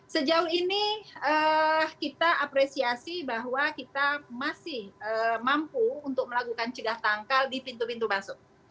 sejauh ini kita apresiasi bahwa kita masih mampu untuk melakukan cegah tangkal di pintu pintu masuk